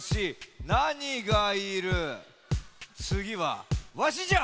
つぎはわしじゃ！